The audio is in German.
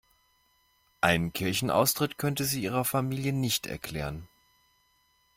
Einen Kirchenaustritt könnte sie ihrer Familie nicht erklären.